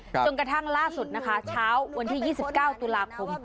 จนกระทั่งล่าสุดนะคะเช้าวันที่๒๙ตุลาคม